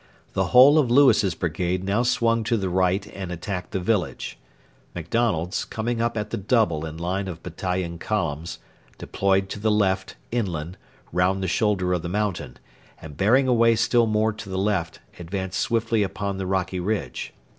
The whole of Lewis's brigade now swung to the right and attacked the village; MacDonald's, coming up at the double in line of battalion columns, deployed to the left, inland, round the shoulder of the mountain, and, bearing away still more to the left, advanced swiftly upon the rocky ridge.